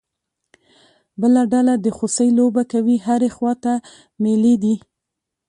بله ډله د خوسی لوبه کوي، هرې خوا ته مېلې دي.